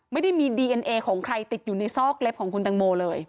ไม่ได้มีดีเอ็นเอของใครติดอยู่ในซอกเล็บของคุณตังโมเลย